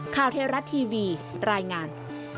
ข้าวเทรัตน์ทีวีรายงาน